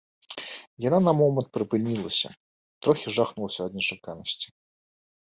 Яна на момант прыпынілася, трохі жахнулася ад нечаканасці.